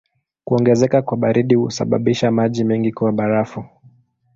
Kuongezeka kwa baridi husababisha maji mengi kuwa barafu.